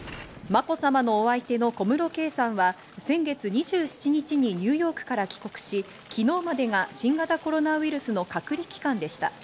まこさまのお相手の小室圭さんは先月２７日にニューヨークから帰国し、昨日までが新型コロナウイルスの隔離期間でした。